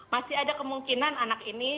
masih ada kemungkinan anak ini